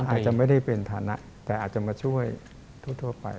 อาจจะไม่ได้เป็นฐานะแต่อาจจะมาช่วยทั่วไป